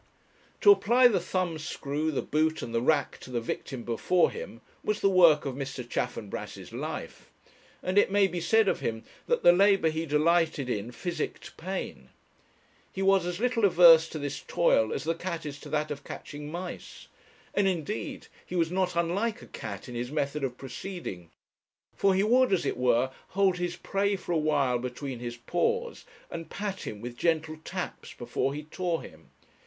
To apply the thumbscrew, the boot, and the rack to the victim before him was the work of Mr. Chaffanbrass's life. And it may be said of him that the labour he delighted in physicked pain. He was as little averse to this toil as the cat is to that of catching mice. And, indeed, he was not unlike a cat in his method of proceeding; for he would, as it were, hold his prey for a while between his paws, and pat him with gentle taps before he tore him.